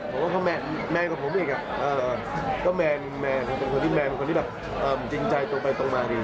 ผมว่าเพราะแมนแมนกับผมอีกอ่ะก็แมนแมนเป็นคนที่แมนเป็นคนที่แบบจริงใจตรงไปตรงมาดี